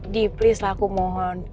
di please lah aku mohon